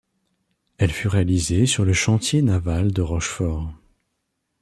Elle fut réalisée sur le chantier naval de Rochefort.